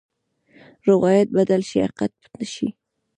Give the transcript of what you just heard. روایت بدل شي، حقیقت پټ شي.